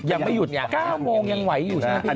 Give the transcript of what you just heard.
ยังไม่หยุดไง๙โมงยังไหวอยู่ใช่ไหมพี่